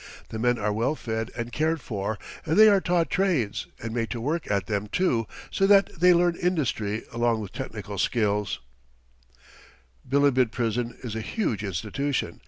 The men are well fed and cared for, and they are taught trades, and made to work at them, too, so that they learn industry along with technical skill. Bilibid prison is a huge institution.